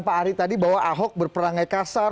pak ari tadi bahwa ahok berperangai kasar